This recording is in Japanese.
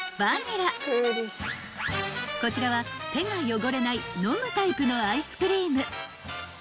［こちらは手が汚れない飲むタイプのアイスクリーム］